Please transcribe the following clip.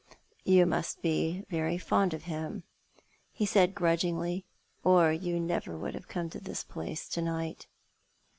" You must bo very fond of him," he said, grudgingly, " or you would never have come to this place to night."